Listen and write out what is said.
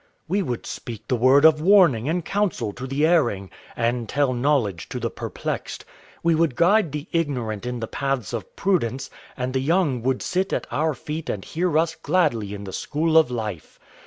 "We would speak the word of warning and counsel to the erring, and tell knowledge to the perplexed. We would guide the ignorant in the paths of prudence, and the young would sit at our feet and hear us gladly in the school of life.